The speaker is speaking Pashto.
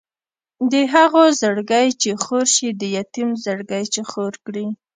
د هغو زړګی چې خور شي د یتیم زړګی چې خور کړي.